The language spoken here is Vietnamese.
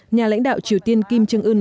nhà lãnh đạo triều tiên kim jong un